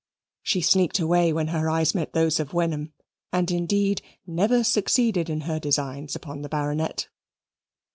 She sneaked away when her eyes met those of Wenham, and indeed never succeeded in her designs upon the Baronet.